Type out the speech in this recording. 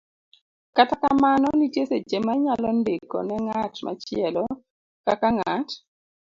Kata kamano, nitie seche ma inyalo ndiko ne ng'at machielo, kaka ng'at .